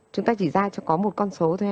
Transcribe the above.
chúng ta chỉ ra cho có một con số thôi